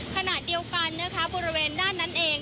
ขณะเดียวกันนะคะบริเวณด้านนั้นเอง